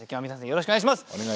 よろしくお願いします。